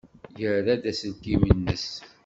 Yerra-d aselkim-nnes.